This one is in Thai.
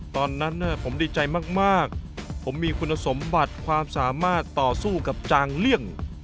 ตอนนั้นผมดีใจมากผมมีคุณสมบัติความสามารถต่อสู้กับจางเลี่ยง